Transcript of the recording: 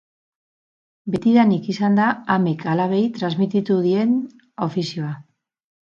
Betidanik izan da amek alabei transmititu dien ofizioa.